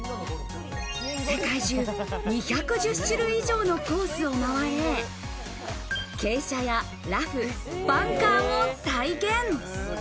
世界中、２１０種類以上のコースを回れ、傾斜やラフ、バンカーを再現。